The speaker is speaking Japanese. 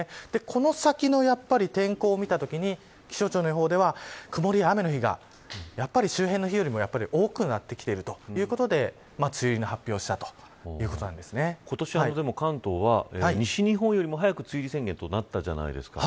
この先の天候を見たときに気象庁の予報では曇りや雨の日がやっぱり周辺の日よりも多くなってきているということで梅雨入りの発表したと今年は、関東は西日本よりも早く梅雨入り宣言となったじゃないですか。